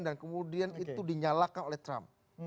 dan kemudian itu dinyalakan oleh trump